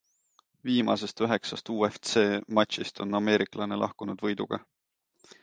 Viimasest üheksast UFC matšist on ameeriklane lahkunud võiduga.